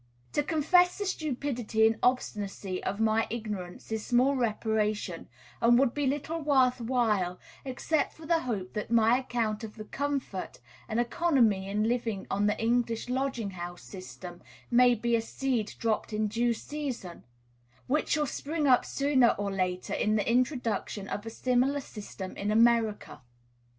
To confess the stupidity and obstinacy of my ignorance is small reparation, and would be little worth while, except for the hope that my account of the comfort and economy in living on the English lodging house system may be a seed dropped in due season, which shall spring up sooner or later in the introduction of a similar system in America.